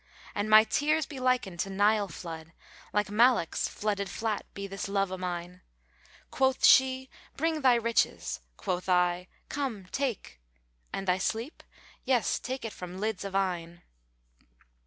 An my tears be likened to Nile flood, like * Malak's[FN#436] flooded flat be this love o'mine. Quoth she, 'Bring thy riches!' Quoth I, 'Come, take!' * 'And thy sleep?' 'Yes, take it from lids of eyne!'"